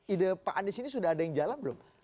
ide pak anies ini sudah ada yang jalan belum